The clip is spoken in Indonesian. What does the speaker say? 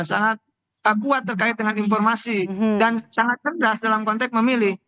sangat kuat terkait dengan informasi dan sangat cerdas dalam konteks memilih